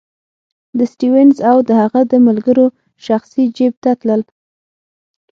د سټیونز او د هغه د ملګرو شخصي جېب ته تلل.